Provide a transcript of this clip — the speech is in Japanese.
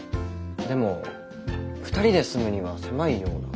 でも２人で住むには狭いような。